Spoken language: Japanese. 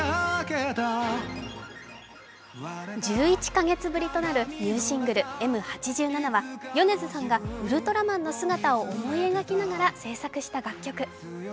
１１カ月ぶりとなるニューシングル「Ｍ八七」は米津さんがウルトラマンの姿を思い描きながら制作した楽曲。